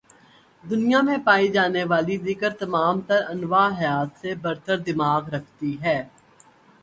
دنیا میں پائی جانے والی دیگر تمام تر انواع حیات سے برتر دماغ رکھتی ہے